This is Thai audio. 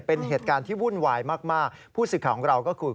เป็นเหตุการณ์ที่วุ่นวายมากผู้สื่อข่าวของเราก็คือ